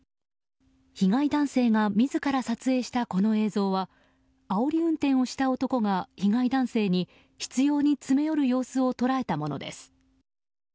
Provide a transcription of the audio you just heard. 被害男性が自ら撮影したこの映像はあおり運転をした男が被害男性に執拗に詰め寄る様子を捉えたものです。